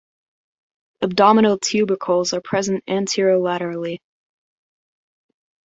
Abdominal tubercles are present anterolaterally.